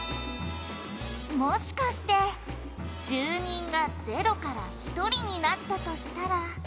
「もしかして住人が０から１人になったとしたら」